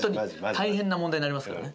大変な問題になりますからね。